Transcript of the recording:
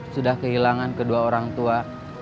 sudah kehilangan kedua orang tua